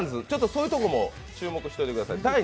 ちょっとそういうところも注目しておいてください。